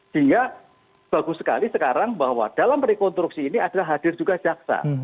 sehingga bagus sekali sekarang bahwa dalam rekonstruksi ini adalah hadir juga jaksa